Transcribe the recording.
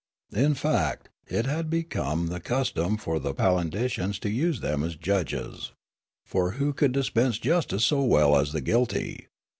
In fact, it had become the custom for the Palindicians to use them as judges ; for who could dispense justice so well as the guilty